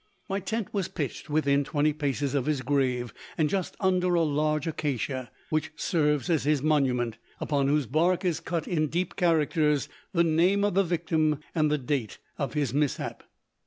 My tent was pitched within twenty paces of his grave and just under a large acacia, which serves as his monument, upon whose bark is cut in deep characters the name of the victim and the date of his mishap.